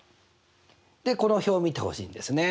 でこの表を見てほしいんですね。